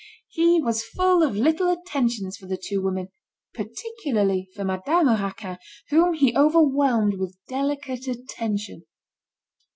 He was full of little attentions for the two women, particularly for Madame Raquin, whom he overwhelmed with delicate attention.